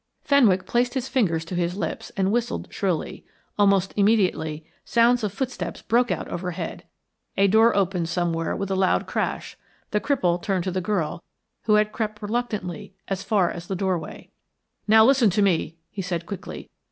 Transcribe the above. Fenwick placed his fingers to his lips and whistled shrilly. Almost immediately sounds of footsteps broke out overhead, and a door opened somewhere with a loud crash. The cripple turned to the girl, who had crept reluctantly as far as the doorway. "Now listen to me," he said quickly.